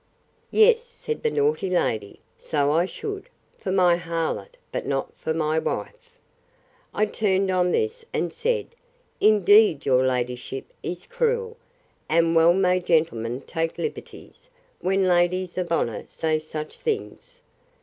Yes, said the naughty lady, so I should, for my harlot, but not for my wife. I turned, on this, and said, Indeed your ladyship is cruel; and well may gentlemen take liberties, when ladies of honour say such things!